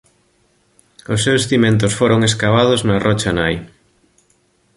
Os seus cimentos foron escavados na rocha nai.